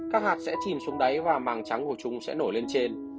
các hạt sẽ chìm xuống đáy và màng trắng của chúng sẽ nổi lên trên